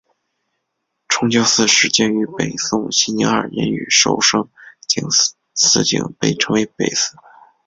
崇教寺始建于北宋熙宁二年与寿圣寺并称北寺。